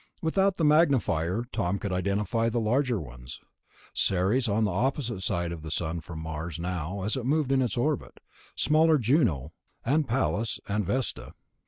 Without the magnifier Tom could identify the larger ones ... Ceres, on the opposite side of the Sun from Mars now as it moved in its orbit; smaller Juno, and Pallas, and Vesta....